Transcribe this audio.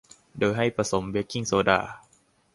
โดยให้ผสมเบกกิ้งโซดา